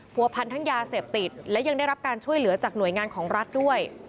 ผัวพันทั้งยาเสพติดและยังได้รับการช่วยเหลือจากหน่วยงานของรัฐด้วย